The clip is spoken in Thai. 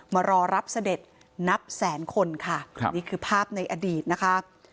มารอรับเสด็จนับแสนคนค่ะครับนี่คือภาพในอดีตนะคะ